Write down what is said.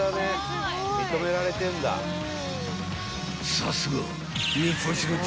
［さすが］